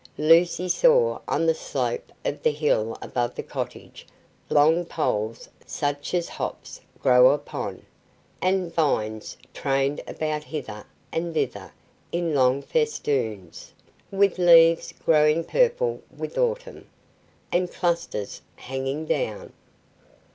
Lucy saw on the slope of the hill above the cottage long poles such as hops grow upon, and vines trained about hither and thither in long festoons, with leaves growing purple with autumn, and clusters hanging down.